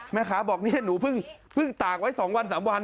แม่ค้าบอกเนี่ยหนูเพิ่งตากไว้๒วัน๓วัน